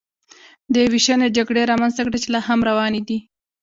دې وېشنې جګړې رامنځته کړې چې لا هم روانې دي